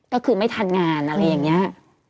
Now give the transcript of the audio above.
ก็คือไม่ทันงานอันนี้